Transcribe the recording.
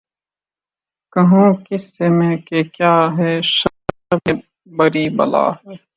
کہوں کس سے میں کہ کیا ہے شبِ غم بری بلا ہے